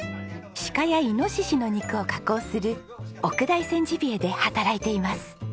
鹿やイノシシの肉を加工する奥大山地美恵で働いています。